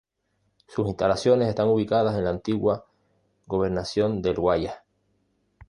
Sus instalaciones están ubicadas en la antigua Gobernación del Guayas.